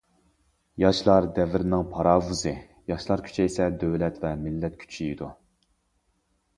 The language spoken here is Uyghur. ياشلار دەۋرنىڭ پاراۋۇزى، ياشلار كۈچەيسە دۆلەت ۋە مىللەت كۈچىيىدۇ.